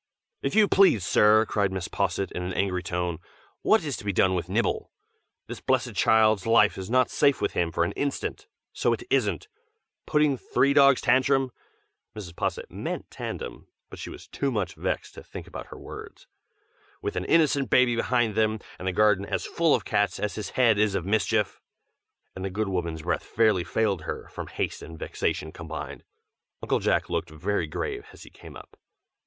"If you please, sir," cried Mrs. Posset in an angry tone, "what is to be done with Nibble? this blessed child's life is not safe with him for an instant, so it isn't! putting three dogs tantrum (Mrs. Posset meant tandem, but she was too much vexed to think about her words,) with an innocent baby behind them and the garden as full of cats as his head is of mischief!" and the good woman's breath fairly failed her, from haste and vexation combined. Uncle Jack looked very grave as he came up.